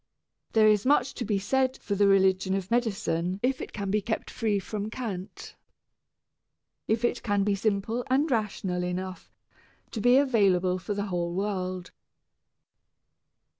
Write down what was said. There is much to be said for the religion of medicine if it can be kept free from cant, if it can be simple and rational enough to be available for the whole world.